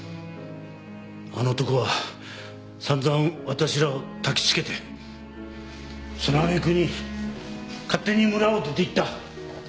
あの男は散々私らを焚きつけてその揚げ句に勝手に村を出ていった。